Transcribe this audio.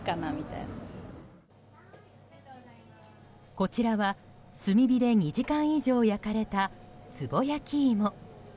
こちらは炭火で２時間以上焼かれた、つぼ焼き芋。